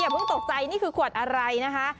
เพิ่งตกใจนี่คือขวดอะไรนะคะ